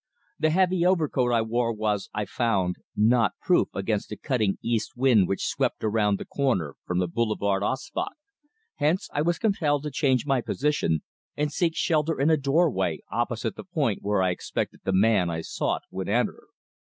The heavy overcoat I wore was, I found, not proof against the cutting east wind which swept around the corner from the Boulevard Auspach, hence I was compelled to change my position and seek shelter in a doorway opposite the point where I expected the man I sought would enter.